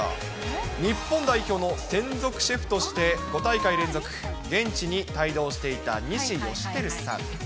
日本代表の専属シェフとして、５大会連続現地に帯同していた西芳照さん。